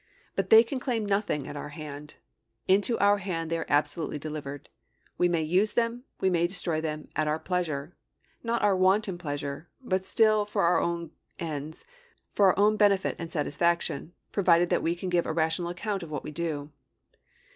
But they can claim nothing at our hand; into our hand they are absolutely delivered. We may use them, we may destroy them at our pleasure: not our wanton pleasure, but still for our own ends, for our own benefit and satisfaction, provided that we can give a rational account of what we do.'